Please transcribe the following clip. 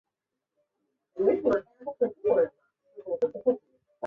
潮间带是在潮汐大潮期的绝对高潮和绝对低潮间露出的海岸。